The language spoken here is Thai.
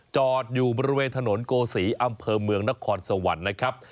จอดอยู่บริเวณถนนโกศีอำเภอเมืองนครสวรรค์นะครับ